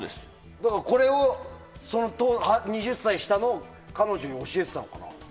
だからこれを２０歳下の彼女に教えてたのかな。